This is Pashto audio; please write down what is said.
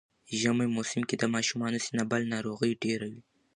ژمی موسم کی د ماشومانو سینه بغل ناروغی ډیره وی